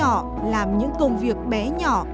cô giáo bé nhỏ làm những công việc bé nhỏ